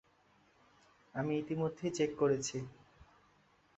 আমি ইতিমধ্যেই চেক করেছি।